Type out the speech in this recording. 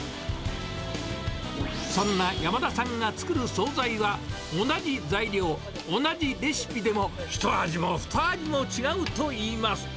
そんな山田さんが作る総菜は、同じ材料、同じレシピでもひと味もふた味も違うといいます。